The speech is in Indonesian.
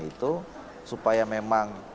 itu supaya memang